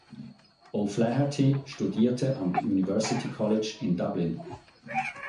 O’Flaherty studierte am University College in Dublin.